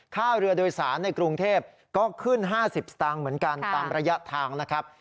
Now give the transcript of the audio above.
ค่าเรือโดยสารในกรุงเทพก็ขึ้น๕๐สตางค์เหมือนกันตามระยะทางนะครับ